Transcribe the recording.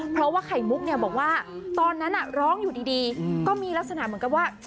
เพราะว่าไข่มุกเนี่ยบอกว่าตอนนั้นร้องอยู่ดีก็มีลักษณะเหมือนกับว่า